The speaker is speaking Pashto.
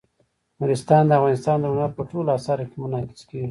نورستان د افغانستان د هنر په ټولو اثارو کې منعکس کېږي.